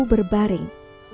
tapi tidak mampu berbaring